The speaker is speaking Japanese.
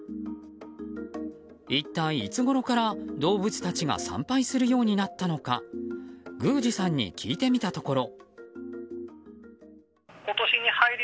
一体、いつごろから動物たちが参拝するようになったのか宮司さんに聞いてみたところ。